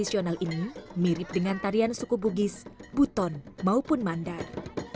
oh oke memang banyak seperti itu masih banyak